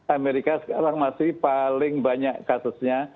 amerika sekarang masih paling banyak kasusnya